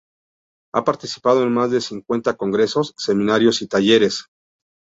Ha participado en más de cincuenta congresos, seminarios y talleres.